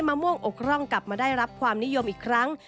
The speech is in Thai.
มะม่วงอกร่องกลับมาได้รับความนิยมอีกครั้ง